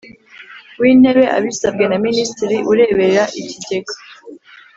w Intebe abisabwe na Minisitiri ureberera Ikigega